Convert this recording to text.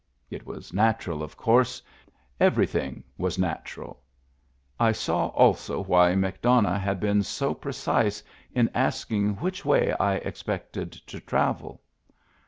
It was natural, of course; every thing was natural. I saw also why McDonough had been so precise in asking which way I ex pected to travel.